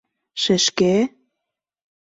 Шешке!